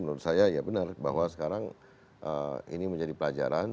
menurut saya ya benar bahwa sekarang ini menjadi pelajaran